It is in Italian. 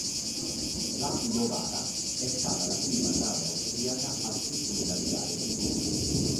La "Novara" è stata la prima nave austriaca a circumnavigare il mondo.